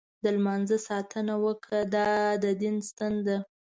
د لمانځه ساتنه وکړه، دا دین ستن ده.